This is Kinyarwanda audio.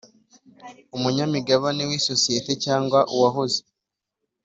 Umunyamigabane w isosiyete cyangwa uwahoze